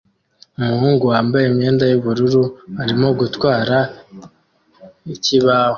Umuhungu wambaye imyenda yubururu arimo gutwara ikibaho